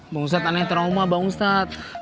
bang ustadz aneh trauma bang ustadz